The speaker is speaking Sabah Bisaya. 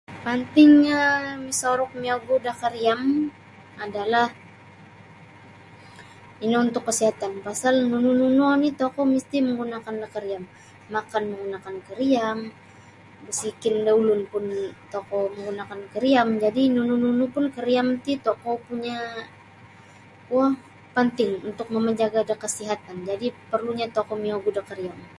Pantingnyo misoruk miogu da kariam adalah ino untuk kasihatan pasal nunu oni tokou mesti manggunakan da kariam makan manggunakan kariam ba sikhin da ulun pun tokou mangguna da kariam jadi nunu kariam ti tokou punya kuwo panting untuk mamajaga da kasihatan jadi perlunyo tokou miogu da kariam.